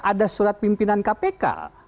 ada surat pimpinan kpk